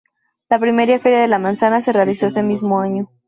La primera feria de la manzana se realizó ese mismo año.